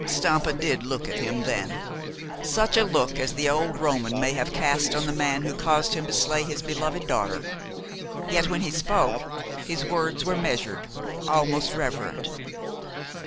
Stampa did look at him then, such a look as the old Roman may have cast on the man who caused him to slay his loved daughter. Yet, when he spoke, his words were measured, almost reverent.